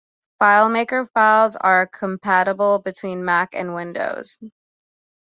FileMaker files are compatible between Mac and Windows.